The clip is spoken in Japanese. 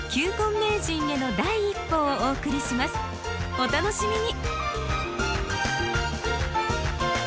お楽しみに！